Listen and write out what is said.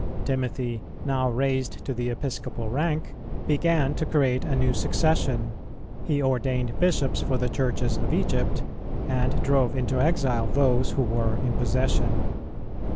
[318:2] Timothy, now raised to the Episcopal rank, began to create a new succession; he ordained Bishops for the Churches of Egypt, and drove into exile those who were in possession.